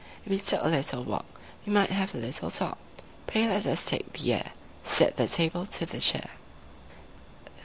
If we took a little walk, We might have a little talk; Pray let us take the air," Said the Table to the Chair.